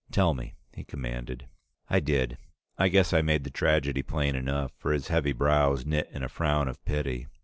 "Tell me," he commanded. I did. I guess I made the tragedy plain enough, for his heavy brows knit in a frown of pity.